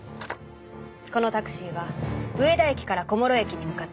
このタクシーは上田駅から小諸駅に向かっています。